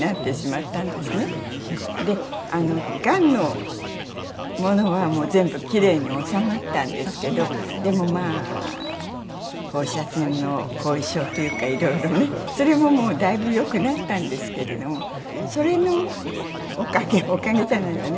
でがんのものはもう全部キレイに治まったんですけどでもまあ放射線の後遺症というかいろいろねそれももうだいぶ良くなったんですけれどもそれのおかげおかげじゃないわね。